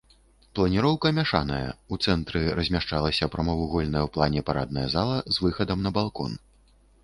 Планіроўка мяшаная, у цэнтры размяшчалася прамавугольная ў плане парадная зала з выхадам на балкон.